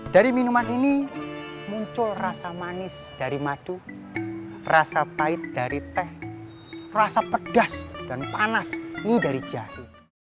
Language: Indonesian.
dari minuman ini muncul rasa manis dari madu rasa pahit dari teh rasa pedas dan panas ini dari jahe